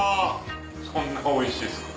そんなおいしいですか。